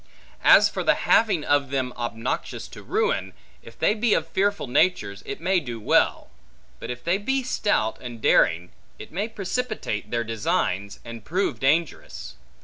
As for the having of them obnoxious to ruin; if they be of fearful natures, it may do well; but if they be stout and daring, it may precipitate their designs, and prove dangerous.